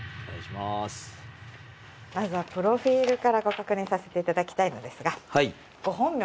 まずはプロフィルからご確認をさせていただきたいのですが。